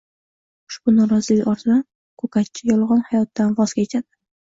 Ushbu norozilik ortidan ko‘katchi “yolg‘on hayot” dan voz kechadi